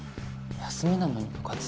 休みなのに部活？